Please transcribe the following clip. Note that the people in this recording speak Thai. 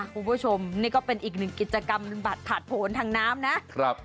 คุณผู้ชมนี่ก็เป็นอีกหนึ่งกิจกรรมบัตรถาดผลทางน้ำนะครับ